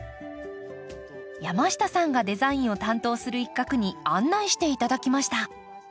山下さんがデザインを担当する一画に案内して頂きました。